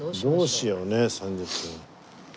どうしようね３０分。